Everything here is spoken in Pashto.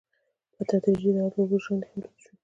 په تدریجي ډول د اوبو ژرندې هم دود شوې.